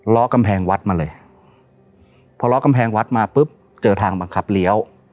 ล้อกำแพงวัดมาเลยพอล้อกำแพงวัดมาปุ๊บเจอทางบังคับเลี้ยว